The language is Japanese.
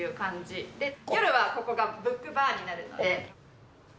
夜はここがブックバーになるので。